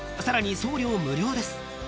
［さらに送料無料です］